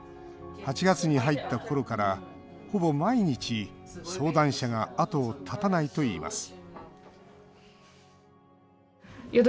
８月に入った頃からほぼ毎日、相談者が後を絶たないといいます